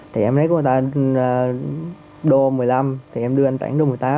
thì em lấy của người ta đô một mươi năm thì em đưa anh toản đô một mươi tám